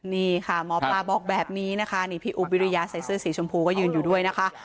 นี่ค่ะหมอปลาบอกแบบนี้นะคะนี่พี่อุ๊บวิริยาใส่เสื้อสีชมพูก็ยืนอยู่ด้วยนะคะ